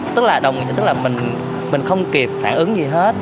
tức là mình không kịp phản ứng gì hết